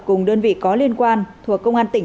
cùng đơn vị có liên quan thuộc công an tỉnh